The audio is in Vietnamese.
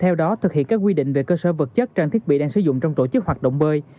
theo đó thực hiện các quy định về cơ sở vật chất trang thiết bị đang sử dụng trong tổ chức hoạt động bơi